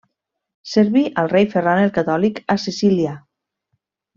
Serví el rei Ferran el Catòlic a Sicília.